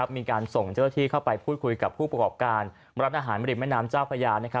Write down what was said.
มีการส่งเจ้าหน้าที่เข้าไปพูดคุยกับผู้ประกอบการร้านอาหารริมแม่น้ำเจ้าพญา